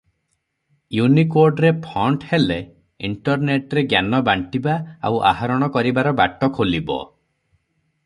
ଇଉନିକୋଡ଼ରେ font ହେଲେ ଇଣ୍ଟରନେଟରେ ଜ୍ଞାନ ବାଣ୍ଟିବା ଆଉ ଆହରଣ କରିବାର ବାଟ ଖୋଲିବ ।